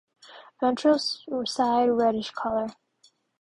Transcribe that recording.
Ventral side reddish color.